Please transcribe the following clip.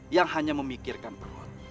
yang hanya memikirkan perut